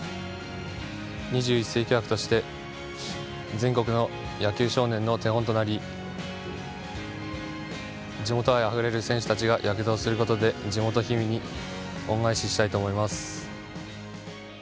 ２１世紀枠として全国の野球少年の手本となり地元愛あふれる選手たちが躍動することで、地元氷見に恩返ししたいと思います。